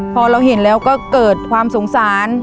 พอเราเห็นแล้วก็เกิดความสงสาร